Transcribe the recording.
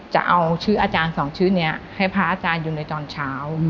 จะเอาชื่ออาจารย์สองชื่อนี้ให้พระอาจารย์อยู่ในตอนเช้า